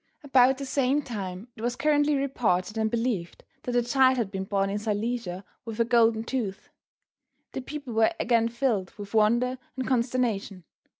About the same time it was currently reported and believed that a child had been born in Silesia with a golden tooth. The people were again filled with wonder and consternation.